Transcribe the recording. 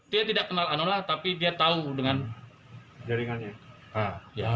dia tidak kenal anola tapi dia tahu dengan jaringannya